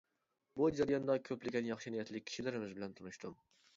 بۇ جەرياندا كۆپلىگەن ياخشى نىيەتلىك كىشىلىرىمىز بىلەن تونۇشتۇم.